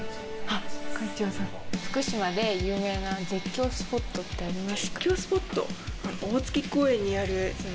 福島で有名な絶叫スポットってありますか？